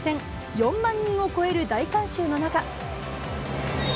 ４万人を超える大観衆の中。